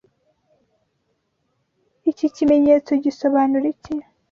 Iki kimenyetso gisobanura iki?